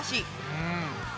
うん。